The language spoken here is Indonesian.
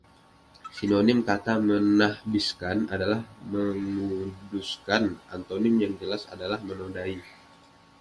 Sinonim kata menahbiskan adalah menguduskan, antonim yang jelas adalah menodai.